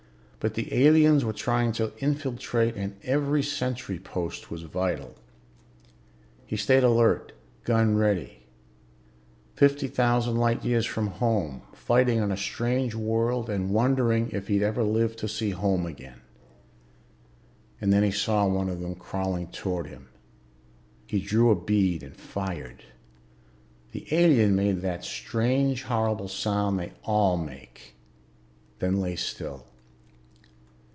But the aliens were trying to infiltrate and every sentry post was vital. He stayed alert, gun ready. Fifty thousand light years from home, fighting on a strange world and wondering if he'd ever live to see home again. And then he saw one of them crawling toward him. He drew a bead and fired. The alien made that strange horrible sound they all make, then lay still.